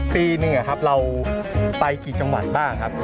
ปีหนึ่งครับเราไปกี่จังหวัดบ้างครับ